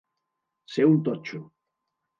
Ser un totxo.